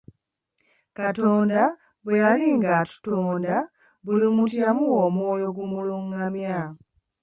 Katonda bwe yali nga atutonda buli muntu yamuwa omwoyo ogumulungamya.